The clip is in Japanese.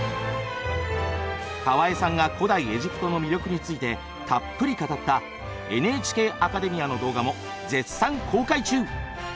河江さんが古代エジプトの魅力についてたっぷり語った「ＮＨＫアカデミア」の動画も絶賛公開中！